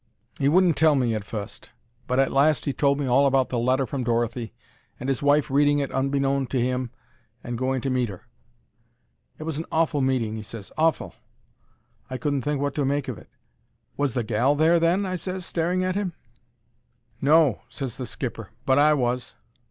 He wouldn't tell me at fust, but at last he told me all about the letter from Dorothy, and 'is wife reading it unbeknown to 'im and going to meet 'er. "It was an awful meeting!" he ses. "Awful!" I couldn't think wot to make of it. "Was the gal there, then?" I ses, staring at 'im. "No," ses the skipper; "but I was."